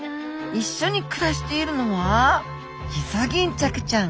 一緒に暮らしているのはイソギンチャクちゃん。